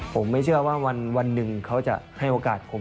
ผมไม่เชื่อว่าวันหนึ่งเขาจะให้โอกาสผม